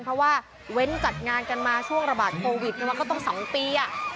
เพราะว่าเว้นจัดงานกันมาช่วงระบาดโควิดมันก็ต้อง๒ปี